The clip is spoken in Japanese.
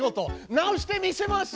直してみせます！